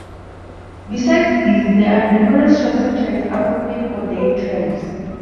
Besides these, there are numerous shorter tracks appropriate for day tramps.